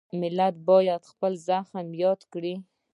ملت باید خپل زخم یاد کړي.